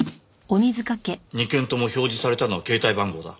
２件とも表示されたのは携帯番号だ。